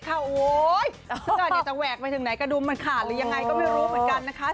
ค่ะมันขาดหรือยังไงก็ไม่รู้เหมือนกัน